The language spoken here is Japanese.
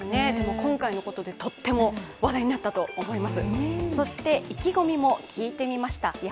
今回のことで、とっても話題になったと思います。